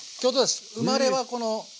生まれはこのあ！